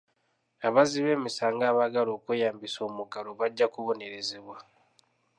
Abazzi b'emisango abaagala okweyambisa omuggalo bajja kubonerezebwa.